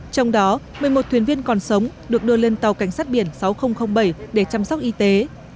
trong đó một mươi một thuyền viên còn sống được đưa lên tàu cảnh sát biển sáu nghìn bảy để chăm sóc y tế